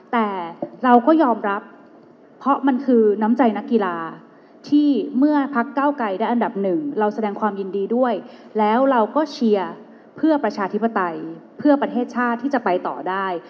แต่เราก็ยอมรับเพราะมันคือน้ำใจนักกีฬาที่เมื่อพักเก้าไกรได้อันดับหนึ่งเราแสดงความยินดีด้วยแล้วเราก็เชียร์เพื่อประชาธิปไตยเพื่อประเทศชาติที่จะไปต่อได้